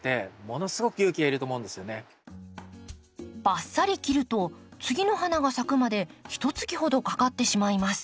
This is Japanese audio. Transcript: バッサリ切ると次の花が咲くまでひと月ほどかかってしまいます。